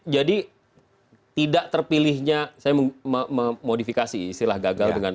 jadi tidak terpilihnya saya memodifikasi istilah gagal dengan